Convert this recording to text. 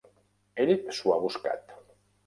Ell s'ho ha buscat.